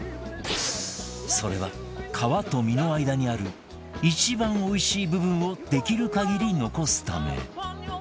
それは皮と身の間にある一番おいしい部分をできる限り残すため